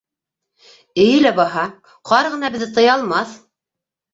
— Эйе лә баһа, ҡар ғына беҙҙе тыя алмаҫ.